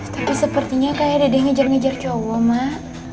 tapi sepertinya kayak dede ngejar ngejar cowo mak